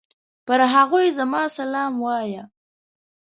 پر هغوی زما سلام وايه!